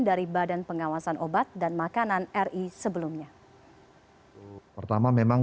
dari badan pengawasan obat dan makanan ri sebelumnya